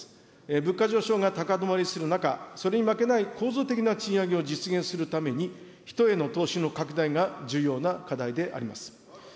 物価上昇が高止まりする中、それに負けない構造的な賃上げを実現するために、人への投資の拡大が重要な課題であります。